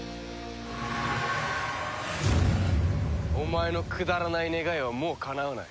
お前のくだらない願いはもうかなわない。